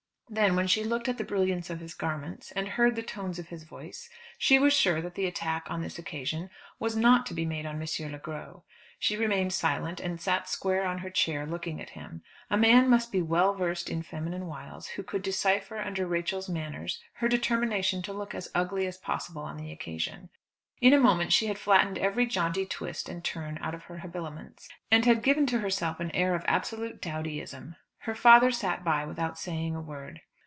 Then, when she looked at the brilliance of his garments, and heard the tones of his voice, she was sure that the attack on this occasion was not to be made on M. Le Gros. She remained silent, and sat square on her chair, looking at him. A man must be well versed in feminine wiles, who could decipher under Rachel's manners her determination to look as ugly as possible on the occasion. In a moment she had flattened every jaunty twist and turn out of her habiliments, and had given to herself an air of absolute dowdyism. Her father sat by without saying a word.